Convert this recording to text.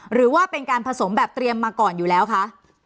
หรือว่าเป็นการผสมแบบเตรียมมาก่อนอยู่แล้วคะ